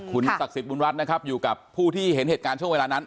คุณศักดิ์สิทธิบุญรัฐนะครับอยู่กับผู้ที่เห็นเหตุการณ์ช่วงเวลานั้น